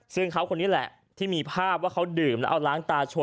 ซึ่งเขาคนนี้แหละที่มีภาพว่าเขาดื่มแล้วเอาล้างตาโชว